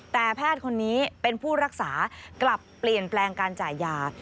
แต่แพทย์คนนี้เป็นผู้รักษากลับเปลี่ยนแปลงการจ่ายยา